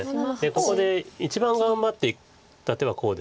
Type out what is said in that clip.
ここで一番頑張っていった手はこうです。